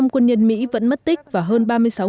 quân nhân mỹ vẫn mất tích và hơn